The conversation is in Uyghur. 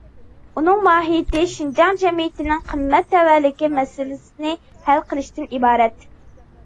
ئۇنىڭ ماھىيىتى شىنجاڭ جەمئىيىتىنىڭ قىممەت تەۋەلىكى مەسىلىسىنى ھەل قىلىشتىن ئىبارەت.